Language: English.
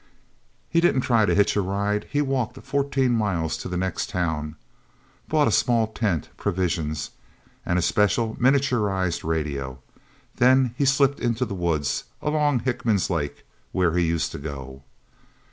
He didn't try to hitch a ride. He walked fourteen miles to the next town, bought a small tent, provisions and a special, miniaturized radio. Then he slipped into the woods, along Hickman's Lake, where he used to go.